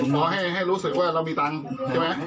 ขอให้รู้สึกว่าเรามีตังค์ใช่ไหม